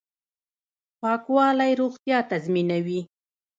پاکوالی روغتیا تضمینوي